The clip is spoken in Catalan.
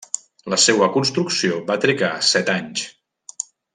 La seua construcció va trigar set anys.